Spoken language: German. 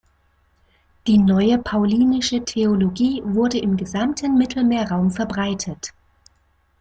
Die neue paulinische Theologie wurde im gesamten Mittelmeerraum verbreitet.